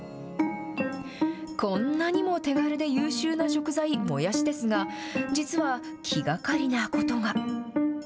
こんなにも手軽で優秀な食材、もやしですが、実は気がかりなことが。